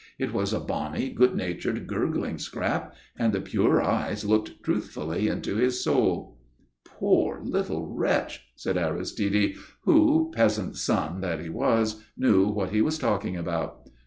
It was a bonny, good natured, gurgling scrap and the pure eyes looked truthfully into his soul. "Poor little wretch!" said Aristide, who, peasant's son that he was, knew what he was talking about.